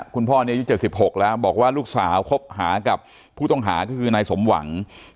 คุณพ่อนี้อายุ๗๖แล้วบอกว่าลูกสาวคบหากับผู้ต้องหาก็คือนายสมหวัง